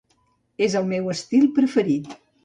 És el meu estil preferit.